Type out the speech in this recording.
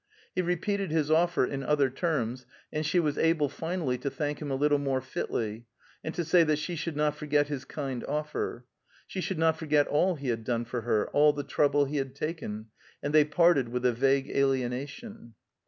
He repeated his offer, in other terms, and she was able finally to thank him a little more fitly, and to say that she should not forget his kind offer; she should not forget all he had done for her, all the trouble he had taken, and they parted with a vague alienation.